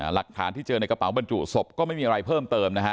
หลักฐานที่เจอในกระเป๋าบรรจุศพก็ไม่มีอะไรเพิ่มเติมนะฮะ